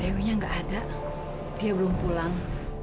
dewinya gak ada dia belum pulang